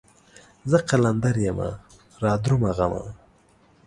زه قلندر يمه رادرومه غمه